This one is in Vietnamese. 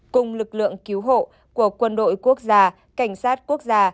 cùng lực lượng cứu hộ của quân đội quốc gia cảnh sát quốc gia